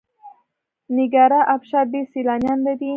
د نیاګرا ابشار ډیر سیلانیان لري.